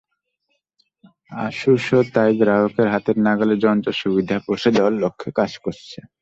আসুসও তাই গ্রাহকের হাতের নাগালে যন্ত্র সুবিধা পৌঁছে দেওয়ার লক্ষ্যে কাজ করছে।